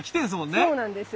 そうなんです。